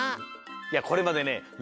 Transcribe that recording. いやこれまでね